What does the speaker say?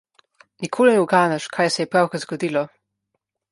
Nikoli ne uganeš, kaj se je pravkar zgodilo.